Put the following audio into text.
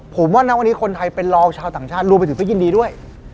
ผมว่าณวันนี้คนไทยเป็นรองชาวต่างชาติรวมไปถึงก็ยินดีด้วย